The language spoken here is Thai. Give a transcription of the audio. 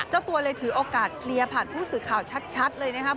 เจ้าตัวเลยถือโอกาสเคลียร์ผ่านผู้สื่อข่าวชัดเลยนะครับ